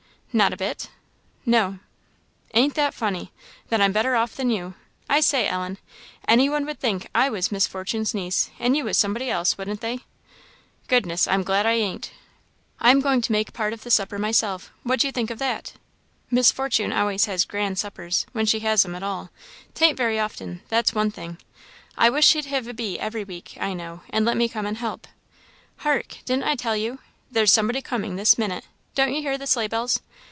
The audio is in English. "Not a bit?" "No." "Ain't that funny! Then I'm better off than you. I say, Ellen, any one would think I was Miss Fortune's niece, and you was somebody else, wouldn't they? Goodness! I'm glad I ain't. I am going to make part of the supper myself what do you think of that? Miss Fortune always has grand suppers when she has 'em at all; 'tain't very often, that's one thing. I wish she'd have a bee every week, I know, and let me come and help. Hark! didn't I tell you? there's somebody coming this minute; don't you hear the sleigh bells?